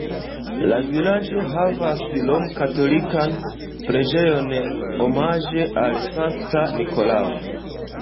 La vilaĝo havas romkatolikan preĝejon omaĝe al Sankta Nikolao.